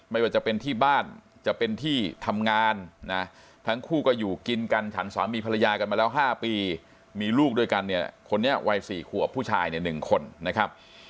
ไม่ว่าจะเป็นที่บ้านจะเป็นที่ทำงานนะทั้งคู่ก็อยู่กินกันฉันสามีภรรยากันมาแล้ว๕ปีมีลูกด้วยกันเนี่ยคนนี้วัย๔ขวบผู้ชายเนี่ย๑คนนะครับ